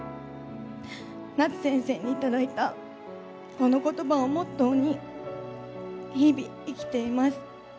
夏先生に頂いたこのことばをモットーに、日々生きています。